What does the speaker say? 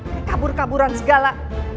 kayak kabur kaburan segala